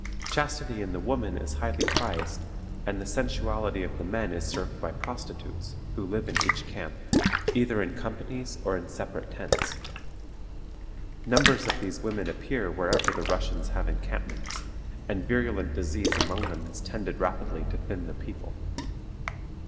Chastity in the woman is highly prized, and the sensuality of the men is served by prostitutes, who live in each camp, either in companies or in separate tents. Numbers of these women appear wherever the Russians have encampments, and virulent disease among them has tended rapidly to thin the people.